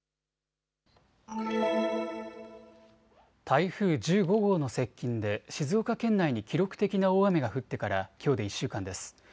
台風１５号の接近で静岡県内に記録的な大雨が降ってからきょうで１週間です。